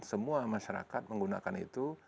semua masyarakat menggunakan itu